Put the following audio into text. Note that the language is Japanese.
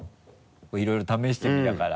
いろいろ試してみたから。